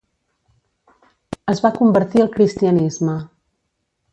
Es va convertir al cristianisme.